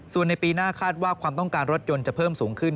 ส่วนในปีหน้าคาดว่าความต้องการรถยนต์จะเพิ่มสูงขึ้น